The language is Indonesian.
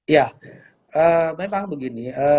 ya memang begini